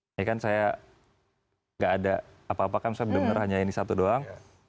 ini kan saya nggak ada apa apa kan saya benar benar hanya ini satu doang